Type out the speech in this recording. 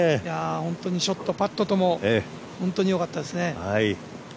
本当にショット、パットとも本当によかったですね。